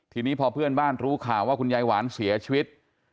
ทีนี้พอเพื่อนบ้านรู้ข่าวว่าคุณยายหวานเสียชีวิต